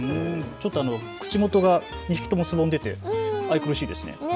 ちょっと口元が２匹ともしぼんでいて愛くるしいですよね。